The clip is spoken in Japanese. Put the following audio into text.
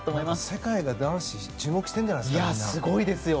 世界が男子に注目しているんじゃないですか。